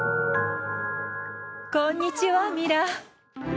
こんにちは、ミラ。